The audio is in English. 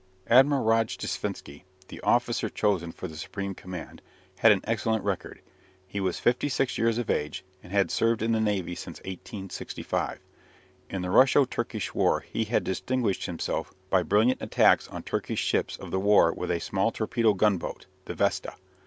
Admiral Rojdestvensky, the officer chosen for the supreme command, had an excellent record. He was fifty six years of age, and had served in the navy since 1865. In the Russo Turkish War he had distinguished himself by brilliant attacks on Turkish ships of war with a small torpedo gunboat, the "Vesta."